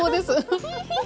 フフフフ！